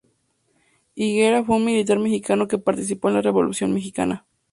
Higuera fue un militar mexicano que participó en la Revolución mexicana.